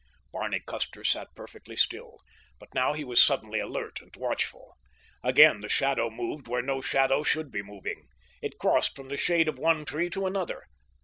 Barney Custer sat perfectly still, but now he was suddenly alert and watchful. Again the shadow moved where no shadow should be moving. It crossed from the shade of one tree to another.